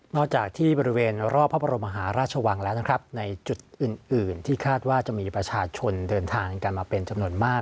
จากที่บริเวณรอบพระบรมหาราชวังแล้วนะครับในจุดอื่นที่คาดว่าจะมีประชาชนเดินทางกันมาเป็นจำนวนมาก